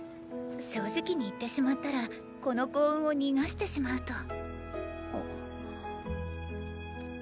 正直に言ってしまったらこの幸運を逃してしまうと。